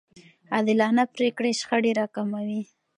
عادلانه پرېکړې شخړې راکموي.